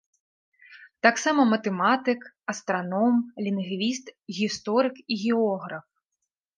Таксама матэматык, астраном, лінгвіст, гісторык і географ.